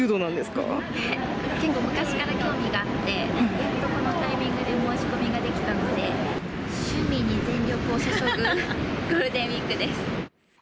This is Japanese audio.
結構、昔から興味があって、やっとこのタイミングで申し込みができたので、趣味に全力を注ぐゴールデンウィークです。